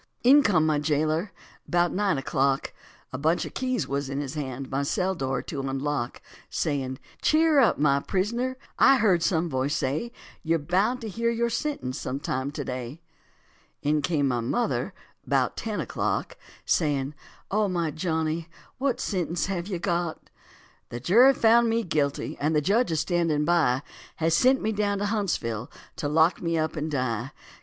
In came my jailer about nine o'clock, A bunch of keys was in his hand, my cell door to unlock, Saying, "Cheer up, my prisoner, I heard some voice say You're bound to hear your sentence some time to day." In came my mother about ten o'clock, Saying, "O my loving Johnny, what sentence have you got?" "The jury found me guilty and the judge a standin' by Has sent me down to Huntsville to lock me up and die."